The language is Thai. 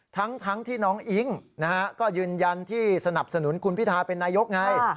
ทั้งที่น้องอิ๊งก็ยืนยันที่สนับสนุนคุณพิทาเป็นนายกไง